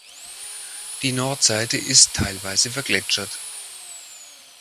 Die Nordseite ist teilweise vergletschert.